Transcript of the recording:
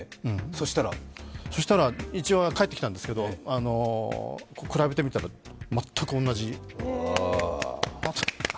そしたらそうしたら一応返ってきたんですけど、比べてみたら全く同じ。